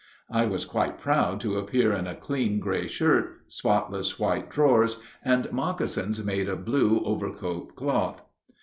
I was quite proud to appear in a clean gray shirt, spotless white drawers, and moccasins made of blue overcoat cloth.